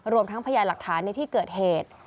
รวมทั้งพยานหลักฐานในที่เกิดเหตุ